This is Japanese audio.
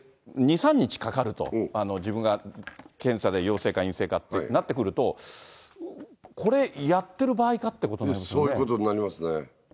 ２、３日かかると、自分が検査で陽性か陰性かってなってくると、これやってる場合かってことになりますよね。